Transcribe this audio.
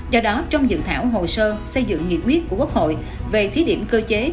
do đó trong dự thảo hồ sơ xây dựng nghiệp quyết của quốc hội về thí điểm cơ chế